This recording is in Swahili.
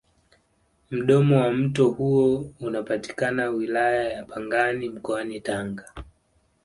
mdomo wa mto huo unapatikana wilaya ya pangani mkoani tanga